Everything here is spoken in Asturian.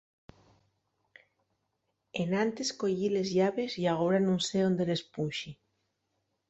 Enantes coyí les llaves y agora nun sé ónde les punxi.